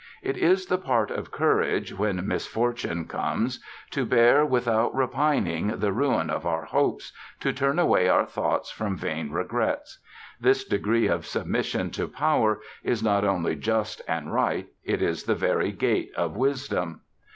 It is the part of courage, when misfortune comes, to bear without repining the ruin of our hopes, to turn away our thoughts from vain regrets. This degree of submission to Power is not only just and right: it is the very gate of wisdom.